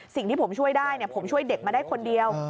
สิ่งที่ผมช่วยได้ผมช่วยเด็กมาได้คนเดียว